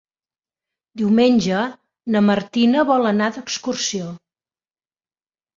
Diumenge na Martina vol anar d'excursió.